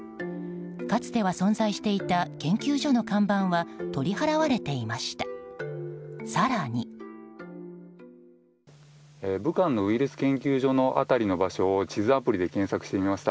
かつては存在していた研究所の看板は取り払われていました。